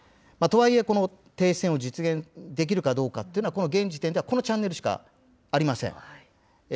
とはいえ、この停戦を実現できるかどうかというのは、この現時点ではこのチャンネルしかありません。